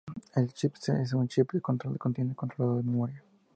El chip-C es un chip de control que contiene el controlador de memoria.